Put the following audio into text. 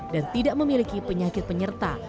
dan tidak memiliki penyakit penyerta